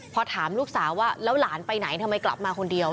พอถามลูกสาวว่าแล้วหลานไปไหนทำไมกลับมาคนเดียว